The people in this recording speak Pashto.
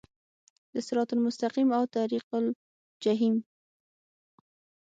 د صراط المستقیم او طریق الجحیم